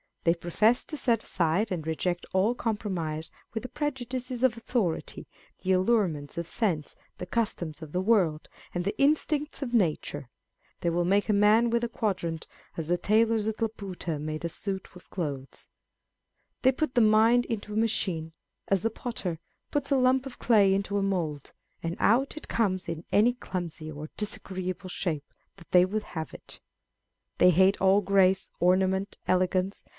They profess to set aside and reject all compromise with the prejudices of authority, the allurements of sense, the customs of the world, and the instincts of nature. They will make a man with a quadrant, as the tailors at Laputa made a suit of clothes. They put the mind into a machine, as the potter puts a lump of clay into a mould, and out it comes in any clumsy or disagreeable shape that they would have it. They hate all grace, orna ment, elegance.